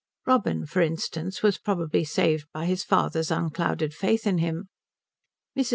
Robin, for instance, was probably saved by his father's unclouded faith in him. Mrs.